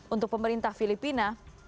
untuk pemerintah filipina